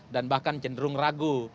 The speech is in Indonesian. dan bahkan cenderung ragu